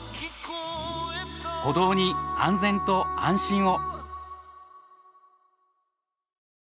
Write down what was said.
歩道に安全と安心を。